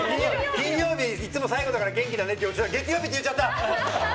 金曜日いつも最後だから元気だねって言おうとしたら月曜日って言っちゃった。